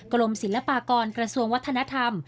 กรมศิลปากรกระทรวงวัฒนธรรม